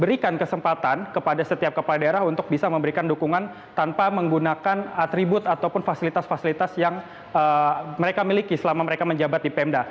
berikan kesempatan kepada setiap kepala daerah untuk bisa memberikan dukungan tanpa menggunakan atribut ataupun fasilitas fasilitas yang mereka miliki selama mereka menjabat di pemda